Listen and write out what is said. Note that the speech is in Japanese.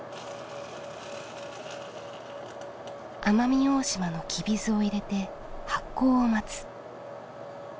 奄美大島のきび酢を入れて発酵を待つ。